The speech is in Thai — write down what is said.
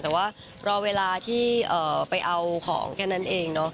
แต่ว่ารอเวลาที่ไปเอาของแค่นั้นเองเนอะ